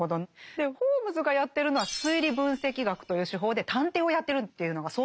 でホームズがやってるのは「推理分析学」という手法で探偵をやってるっていうのが早々に明らかになりましたよね。